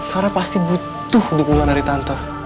karena pasti butuh dukungan dari tante